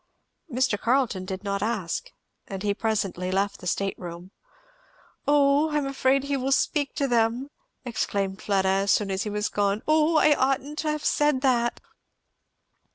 Mr. Carleton did not ask, and he presently left the state room. "O I am afraid he will speak to them!" exclaimed Fleda as soon as he was gone. "O I oughtn't to have said that!"